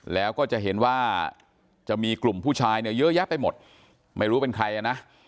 แล้วก็จะเห็นว่าจะมีกลุ่มผู้ชายเนี่ยเยอะแยะไปหมดไม่รู้เป็นใครอ่ะนะ